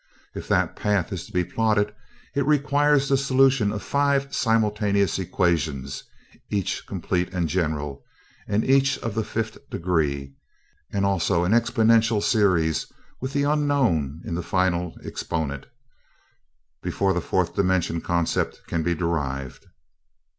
If that path is to be plotted it requires the solution of five simultaneous equations, each complete and general, and each of the fifth degree, and also an exponential series with the unknown in the final exponent, before the fourth dimensional concept can be derived